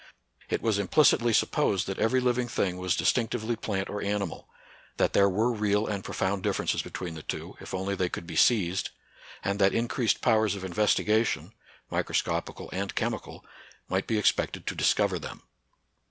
It was implicitly supposed that every living thing was distinctively plant or animal ; that there were real and profound differences be tween the two, if only they could be seized ; and that increased powers of investigation — microscopical and chemical — might be expected to discover them.